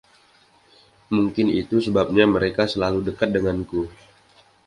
Mungkin itu sebabnya mereka selalu dekat denganku.